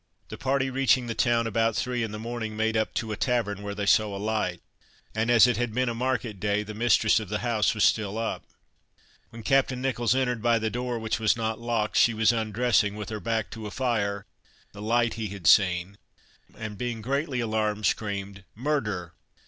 The party, reaching the town about three in the morning, made up to a tavern where they saw a light, and, as it had been a market day, the mistress of the house was still up. When Captain Nicholls entered by the door, which was not locked, she was undressing, with her back to a fire, the light he had seen, and being greatly alarmed, screamed, "Murder!